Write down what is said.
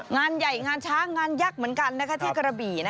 งานใหญ่งานช้างงานยักษ์เหมือนกันที่กระบี่